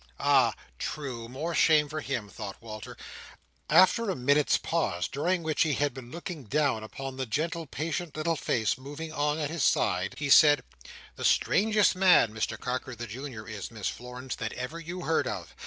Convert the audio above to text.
"Ah! true! more shame for him," thought Walter. After a minute's pause, during which he had been looking down upon the gentle patient little face moving on at his side, he said, "The strangest man, Mr Carker the Junior is, Miss Florence, that ever you heard of.